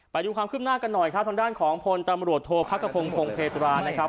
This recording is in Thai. ไปดูความขึ้นหน้ากันหน่อยครับทางด้านของพลตำรวจโทษพักกระพงพงเพตรานะครับ